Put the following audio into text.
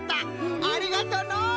ありがとのう！